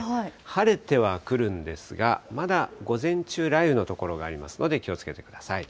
晴れてはくるんですが、まだ午前中、雷雨の所がありますので、気をつけてください。